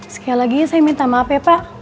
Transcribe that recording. sekali lagi saya minta maaf ya pak